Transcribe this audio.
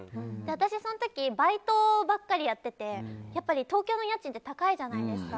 私その時バイトばっかりやってて東京の家賃って高いじゃないですか。